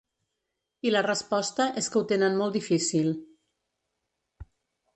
I la resposta és que ho tenen molt difícil.